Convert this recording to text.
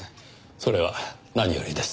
それは何よりです。